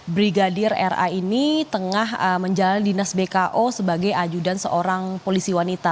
brigadir ra ini tengah menjalani dinas bko sebagai ajudan seorang polisi wanita